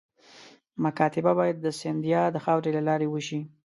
مکاتبه باید د سیندهیا د خاوري له لارې وشي.